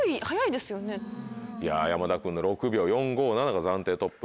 いや山田君の６秒４５７が暫定トップ。